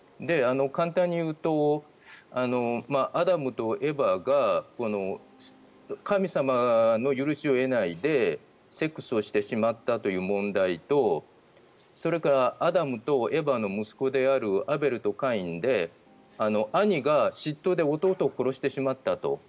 簡単に言うとアダムとエバが神様の許しを得ないでセックスをしてしまったという問題とそれからアダムとエバの息子であるアベルとカインで兄が嫉妬で弟を殺してしまったと。